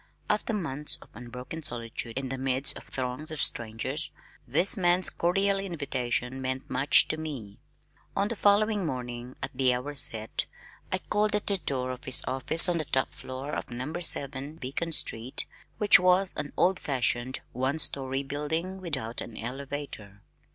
After months of unbroken solitude in the midst of throngs of strangers, this man's cordial invitation meant much to me. On the following morning, at the hour set, I called at the door of his office on the top floor of No. 7 Beacon Street, which was an old fashioned one story building without an elevator.